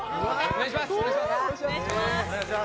お願いします